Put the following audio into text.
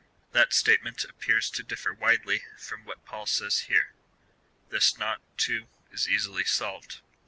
That statement appears to differ widely from what Paul says here. This knot, too, is easily solved.